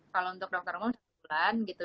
kalau untuk dokter umum satu bulan gitu